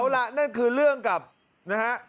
เอาล่ะนั่นคือเรื่องกับนะฮะ